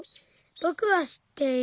ぼくは知っている。